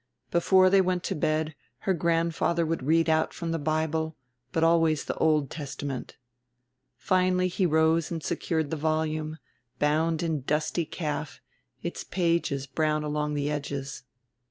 Before they went to bed her grandfather would read out from the Bible, but always the Old Testament. Finally he rose and secured the volume, bound in dusty calf, its pages brown along the edges.